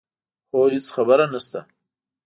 هو هېڅ خبره نه شته.